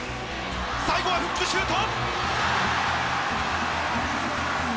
最後はフックシュート。